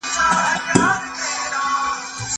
ملت د حکومت په خبرو بوخت پاتې سو.